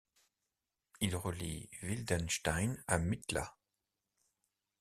Il relie Wildenstein à Mittlach.